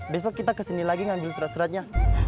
besok kita kesini lagi ngambil surat suratnya